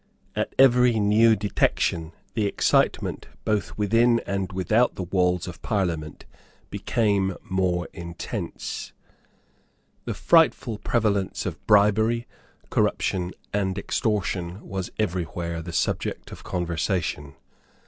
At every new detection, the excitement, both within and without the walls of Parliament, became more intense. The frightful prevalence of bribery, corruption and extortion was every where the subject of conversation.